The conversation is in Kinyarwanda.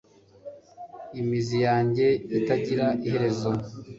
Imizi yanjye itagira iherezo